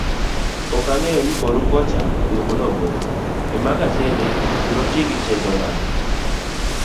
Okang'eyo ni koru kocha duoko nogol emagasede to noti gichenro mane.